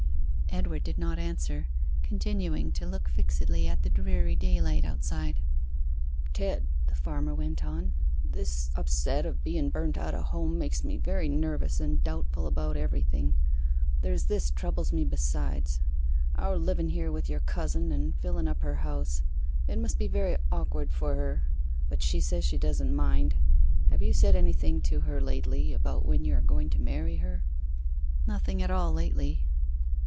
Edward did not answer, continuing to look fixedly at the dreary daylight outside. 'Ted,' the farmer went on, 'this upset of be en burnt out o' home makes me very nervous and doubtful about everything. There's this troubles me besides our liven here with your cousin, and fillen up her house. It must be very awkward for her. But she says she doesn't mind. Have you said anything to her lately about when you are going to marry her?' 'Nothing at all lately.